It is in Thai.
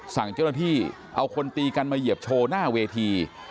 สั่งเจ้าหน้าที่เอาคนตีกันมาเหยียบโชว์หน้าเวที